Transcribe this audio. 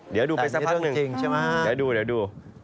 เดี๋ยวดูไปซักพักหนึ่งเดี๋ยวดู